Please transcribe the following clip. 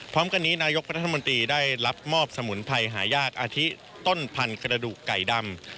พร้อมกันนี้นายกรัฐมนตรีได้รับมอบสมุนไพรหายากอาทิต้นพันธุ์ไก่ดำ